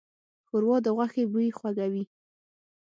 ښوروا د غوښې بوی خوږوي.